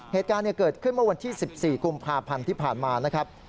เหตุการณ์เกิดขึ้นเมื่อวันที่๑๔กุมภาพันธ์ที่ผ่านมานะครับ